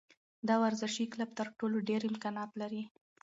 دا ورزشي کلب تر ټولو ډېر امکانات لري.